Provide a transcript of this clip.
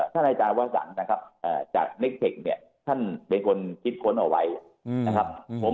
ท่านอาจารย์วสันนะครับจากเน็กเทคเนี่ยท่านเป็นคนคิดค้นเอาไว้นะครับ